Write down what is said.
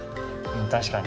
確かに。